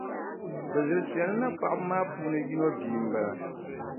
Bɛ zilisiya ni napaɣiba maa puuni yino bia m-bala.